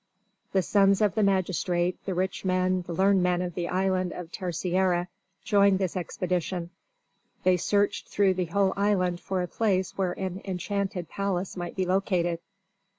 The sons of the magistrate, the rich men, the learned men of the island of Terceira joined this expedition. They searched through the whole island for a place where an enchanted palace might be located.